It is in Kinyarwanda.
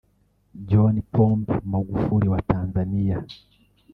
John Pombe Magufuli wa Tanzania